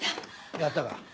やったか。